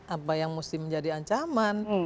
apa yang mesti menjadi ancaman